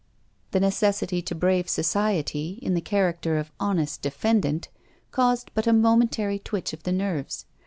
The necessity to brave society, in the character of honest Defendant, caused but a momentary twitch of the nerves.